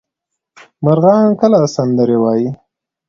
مرغان کله سندرې وايي؟